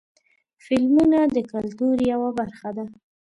فلمونه د کلتور یوه برخه ده.